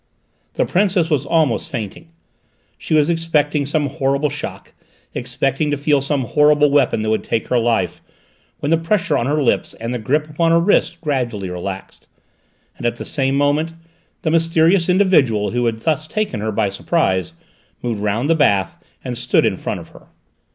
The Princess was almost fainting. She was expecting some horrible shock, expecting to feel some horrible weapon that would take her life, when the pressure on her lips and the grip upon her wrist gradually relaxed; and at the same moment, the mysterious individual who had thus taken her by surprise, moved round the bath and stood in front of her.